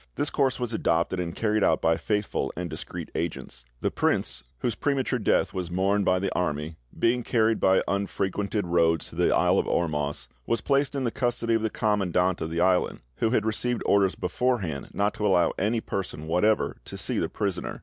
"This course was adopted, and carried out by faithful and discreet agents. The prince, whose premature death was mourned by the army, being carried by unfrequented roads to the isle of Ormus, was placed in the custody of the commandant of the island, who, had received orders beforehand not to allow any person whatever to see the prisoner.